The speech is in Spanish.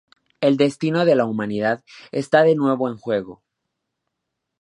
El destino de la Humanidad está de nuevo en juego.